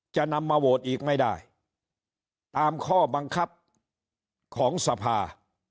จะนำมาโหวตอีกไม่ได้ตามข้อบังคับของสภา